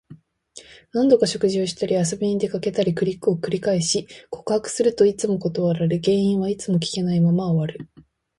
何度か食事をしたり、遊びに出かけたりを繰り返し、告白するといつも断られ、原因はいつも聞けないまま終わる。